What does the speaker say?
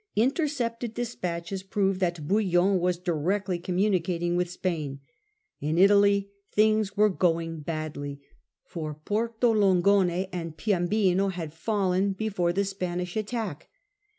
Intercepted despatches proved that Bouillon was directly communicating with Spain. In Italy things were going badly, for Porto Longone and Piombino had fallen before the Spanish attack.